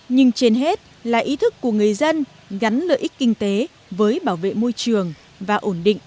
nhưng trên hết là ý thức của người dân gắn lợi ích kinh tế với bảo vệ môi trường và ổn định